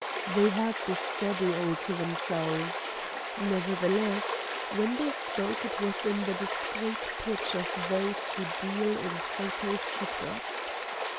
They had the study all to themselves. Nevertheless, when they spoke it was in the discreet pitch of those who deal in fatal secrets.